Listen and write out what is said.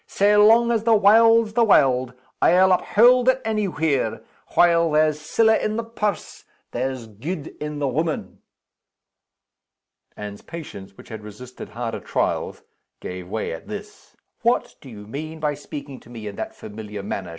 Sae long as the warld's the warld, I'll uphaud it any where while there's siller in the purse, there's gude in the woman!" Anne's patience, which had resisted harder trials, gave way at this. "What do you mean by speaking to me in that familiar manner?"